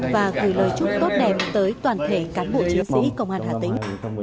và gửi lời chúc tốt đẹp tới toàn thể cán bộ chiến sĩ công an hà tĩnh